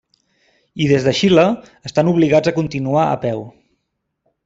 I des de Xile, estan obligats de continuar a peu.